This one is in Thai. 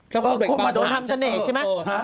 ก็คงมาโดนทำเสน่ห์ใช่ไหม